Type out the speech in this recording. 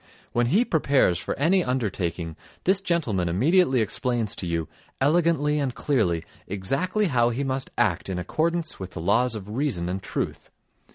When he prepares for any undertaking this gentleman immediately explains to you, elegantly and clearly, exactly how he must act in accordance with the laws of reason and truth.